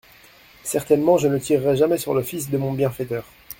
Certainement je ne tirerai jamais sur le fils de mon bienfaiteur.